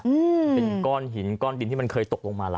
อืมเป็นก้อนหินก้อนดินที่มันเคยตกลงมาล่ะ